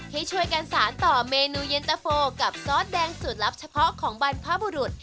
ให้ช่วยกันสารต่อเมนูเย็นตะโฟกับซอสแดงสูตรลับเฉพาะของบรรพบุรุษ